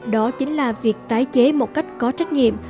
đó chính là việc tái chế một cách có trách nhiệm